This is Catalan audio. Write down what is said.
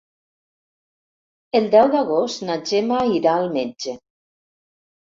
El deu d'agost na Gemma irà al metge.